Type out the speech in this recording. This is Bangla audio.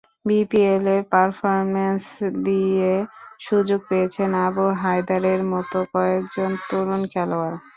বিপিএলের পারফরম্যান্স দিয়ে সুযোগ পেয়েছেন আবু হায়দারের মতো কয়েকজন তরুণ খেলোয়াড়।